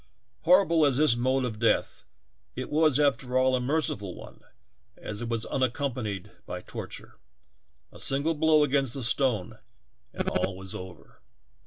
Horrible as was this mode of death, it was after all a merciful one, as it was unaccom panied by torture. A single blow against the stone and all was over.